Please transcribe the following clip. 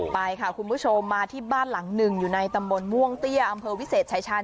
ไปค่ะคุณผู้ชมมาที่บ้านหลังหนึ่งอยู่ในตำบลม่วงเตี้ยอำเภอวิเศษชายชาญ